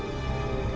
kau akan mencari riri